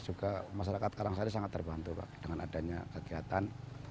juga masyarakat karang kara sangat terbantu dengan adanya kegiatan